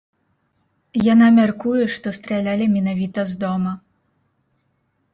Яна мяркуе, што стралялі менавіта з дома.